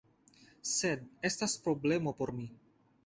Sed estas problemo por mi.